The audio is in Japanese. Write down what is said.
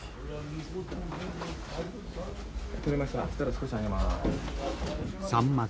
少し上げます。